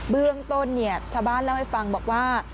เบื้องต้นชาวบ้านเล่าให้ฟังบอกว่า